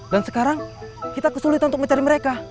dan sekarang kita kesulitan untuk mencari mereka